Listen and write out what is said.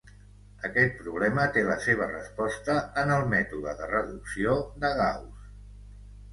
Aquest problema té la seva resposta en el mètode de reducció de Gauss.